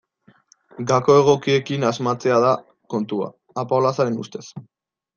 Gako egokiekin asmatzea da kontua, Apaolazaren ustez.